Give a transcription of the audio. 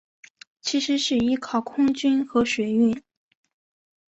其次是依靠空运和水运。